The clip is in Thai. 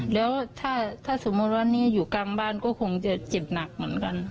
แล้วถ้าสมมุติว่านี่อยู่กลางบ้านก็คงจะเจ็บหนักเหมือนกัน